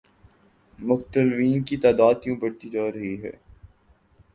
مقتولین کی تعداد کیوں بڑھتی جارہی ہے؟